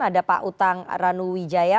ada pak utang ranuwijaya